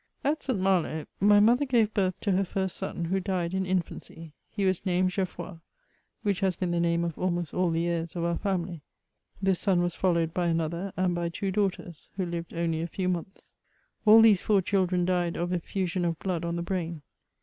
At St. Malo, my mother gave birth to her first son, who died in infancy. He was named Geoffi oy, which has been the name of almost all the heirs of our family. This son was followed by another and by two daughters, who lived only a few months. All these four children died of effusion of blood on the brain.